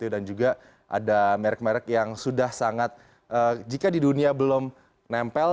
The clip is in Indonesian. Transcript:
dan juga ada merk merk yang sudah sangat jika di dunia belum nempel